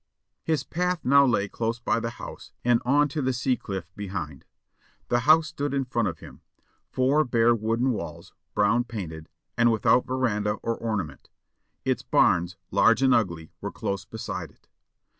His path now lay close by the house and on to the sea cliff behind. The house stood in front of him four bare wooden walls, brown painted, and without veranda or ornament; its barns, large and ugly, were close beside it.